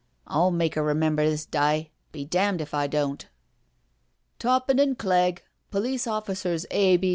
V\\ mak* 'er remember this dye— be damned if I don't." *' Toppin and Clegg— Police oifficers A.